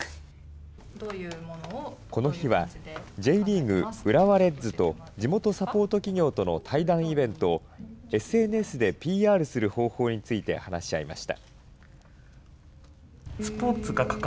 この日は、Ｊリーグ・浦和レッズと地元サポート企業との対談イベントを、ＳＮＳでＰＲする方法について話し合いました。